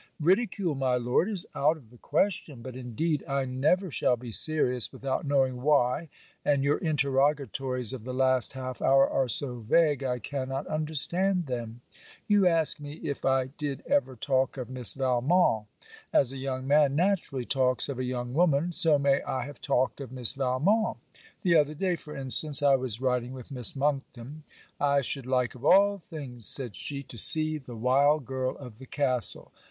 'Ridicule, my Lord, is out of the question; but indeed I never shall be serious without knowing why, and your interrogatories of the last half hour are so vague, I cannot understand them. You ask me if I did ever talk of Miss Valmont? As a young man naturally talks of a young woman, so may I have talked of Miss Valmont. The other day, for instance, I was riding with Miss Monckton 'I should like of all things,' said she, '_to see the wild girl of the castle.